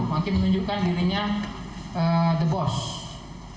makin menunjukkan dirinya the bost